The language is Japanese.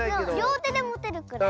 りょうてでもてるくらい。